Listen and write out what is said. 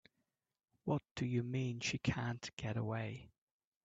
What do you mean she can't get away?